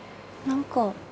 何か。